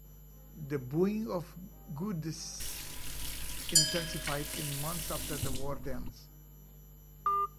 The booing of Goodes intensified in the months after the war dance.